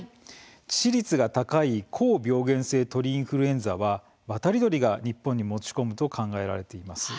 致死率が高い「高病原性鳥インフルエンザ」は渡り鳥が日本に持ち込むと考えられています。